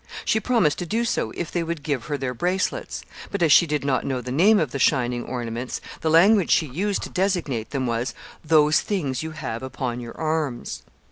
She promised to do so if they would give her their bracelets; but, as she did not know the name of the shining ornaments, the language she used to designate them was, "Those things you have upon your arms."